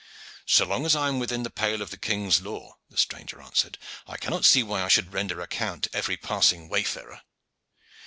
"So long as I am within the pale of the king's law," the stranger answered, "I cannot see why I should render account to every passing wayfarer."